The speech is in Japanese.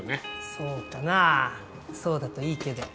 そうかなぁそうだといいけど。